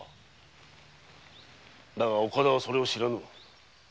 だが岡田はそれを知らぬ。